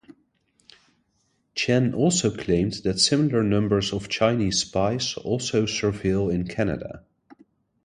Chen also claimed that similar numbers of Chinese spies also surveil in Canada.